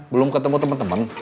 belum ketemu temen temen